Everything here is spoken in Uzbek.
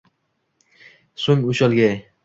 So’ng ushalgay